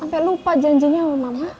sampai lupa janjinya sama mama